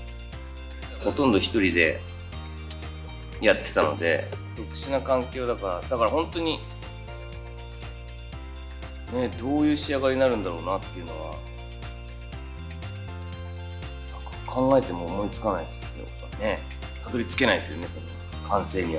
ほとんど１人でやってたので、特殊な環境だから、だから本当に、ねっ、どういう仕上がりになるんだろうなっていうのは、考えても思いつかないですよね、やっぱりね、たどりつけないです